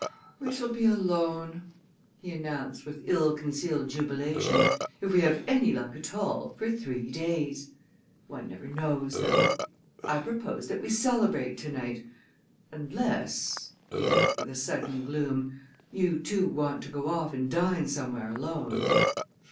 "We shall be alone," he announced, with ill concealed jubilation, "if we have any luck at all, for three days! One never knows, though! I propose that we celebrate to night, unless," he added, with a sudden gloom, "you two want to go off and dine somewhere alone."